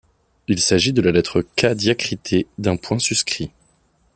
Il s’agit de la lettre Κ diacritée d’un point suscrit.